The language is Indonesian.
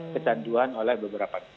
kecanduan oleh beberapa